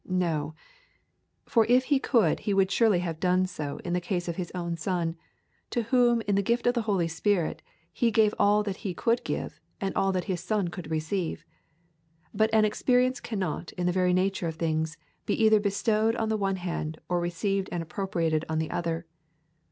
No. For if He could He would surely have done so in the case of His own Son, to Whom in the gift of the Holy Ghost He gave all that He could give and all that His Son could receive. But an experience cannot in the very nature of things be either bestowed on the one hand or received and appropriated on the other.